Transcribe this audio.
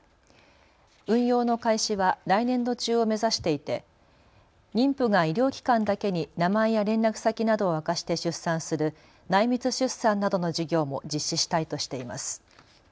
運用の開始は来年度中を目指していて妊婦が医療機関だけに名前や連絡先などを明かして出産する内密出産などの事業も実施したいとしています。